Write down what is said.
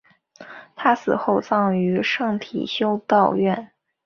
她死后葬于圣体修道院。